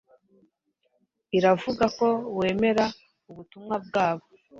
iravuga ko wemera ubutumwa bwabo